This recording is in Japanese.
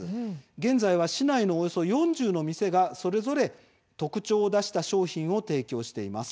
現在は市内のおよそ４０の店がそれぞれ特徴を出した商品を提供しています。